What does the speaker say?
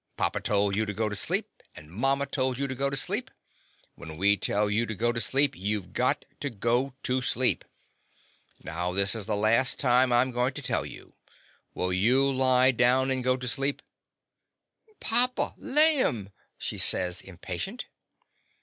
Papa told you to go to sleep, and mama told you to go to sleep. When we tell you to go to sleep, you 've got to go to sleep. Now, this is the last time I 'm goin' to tell you. Will you lie down and go to sleep?" The Confessions of a Daddy "Papa, laim!" she says, impatient.